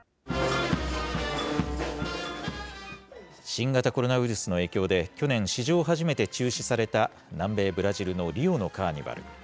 新型コロナウイルスの影響で去年、史上初めて中止された南米ブラジルのリオのカーニバル。